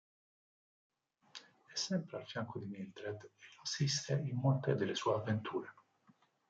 È sempre al fianco di Mildred e la assiste in molte delle sue avventure.